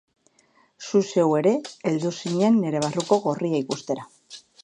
Zu zeu ere heldu zinen nire barruko Gorria ikustera.